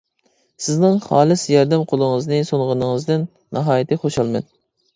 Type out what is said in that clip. سىزنىڭ خالىس ياردەم قۇلىڭىزنى سۇنغىنىڭىزدىن ناھايىتى خۇشالمەن.